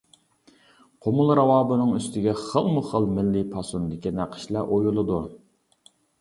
قۇمۇل راۋابىنىڭ ئۈستىگە خىلمۇخىل مىللىي پاسوندىكى نەقىشلەر ئويۇلىدۇ.